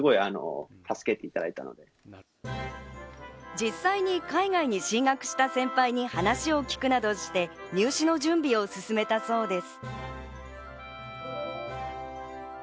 実際に海外に進学した先輩に話を聞くなどして入試の準備を進めたそうです。